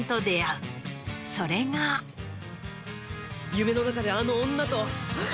夢の中であの女と。